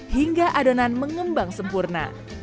hingga adonan mengembang sempurna